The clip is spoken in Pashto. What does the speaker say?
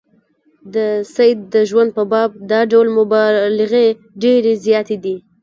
د سید د ژوند په باب دا ډول مبالغې ډېرې زیاتې دي.